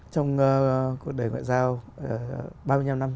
trong cuộc đời ngoại giao ba mươi năm năm